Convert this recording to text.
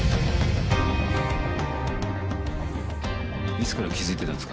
いつから気づいてたんですか？